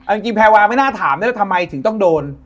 จริงแพรวาไม่น่าถามนะว่าทำไมถึงต้องโดน